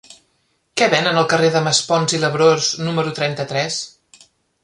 Què venen al carrer de Maspons i Labrós número trenta-tres?